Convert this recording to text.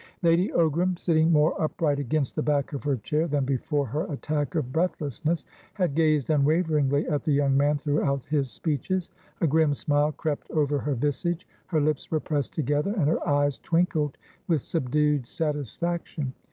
Lady Ogram, sitting more upright against the back of her chair than before her attack of breathlessness, had gazed unwaveringly at the young man throughout his speeches. A grim smile crept over her visage; her lips were pressed together, and her eyes twinkled with subdued satisfaction.